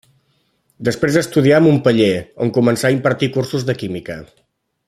Després estudià a Montpeller on començà a impartir cursos de química.